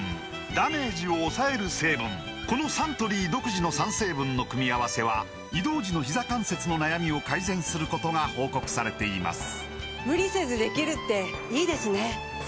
このサントリー独自の３成分の組み合わせは移動時のひざ関節の悩みを改善することが報告されています